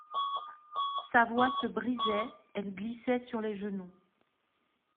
Sa voix se brisait, elle glissait sur les genoux.